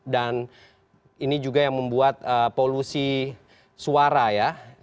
dan ini juga yang membuat polusi suara ya